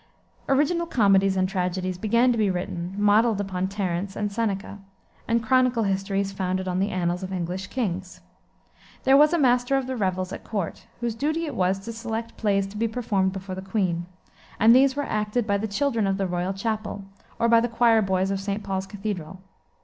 Original comedies and tragedies began to be written, modeled upon Terence, and Seneca, and chronicle histories founded on the annals of English kings. There was a Master of the Revels at court, whose duty it was to select plays to be performed before the queen, and these were acted by the children of the Royal Chapel, or by the choir boys of St. Paul's Cathedral.